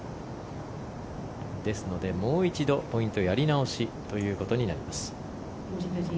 ですので、もう一度ポイントやり直しということになります。